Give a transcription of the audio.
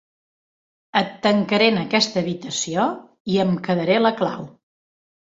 Et tancaré en aquesta habitació i em quedaré la clau.